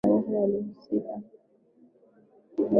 uimara wa pekee bila kujali dhuluma Maisha yote ya Atanasi yalihusika